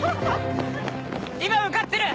今向かってる！